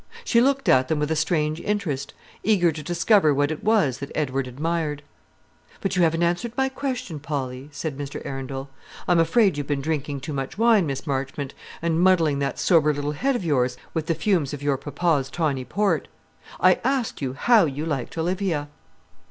She looked at them with a strange interest, eager to discover what it was that Edward admired. "But you haven't answered my question, Polly," said Mr. Arundel. "I am afraid you have been drinking too much wine, Miss Marchmont, and muddling that sober little head of yours with the fumes of your papa's tawny port. I asked you how you liked Olivia."